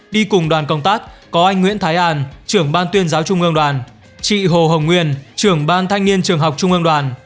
đi cùng đoàn công tác có anh nguyễn thái an trưởng ban tuyên giáo trung ương đoàn chị hồ hồng nguyên trưởng ban thanh niên trường học trung ương đoàn